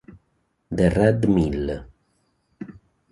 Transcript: The Red Mill